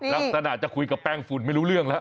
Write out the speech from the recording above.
ลักษณะจะคุยกับแป้งฝุ่นไม่รู้เรื่องแล้ว